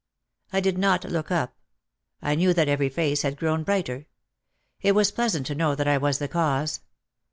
I did not look up. I knew that every face had grown brighter. It was pleasant to know that I was the cause.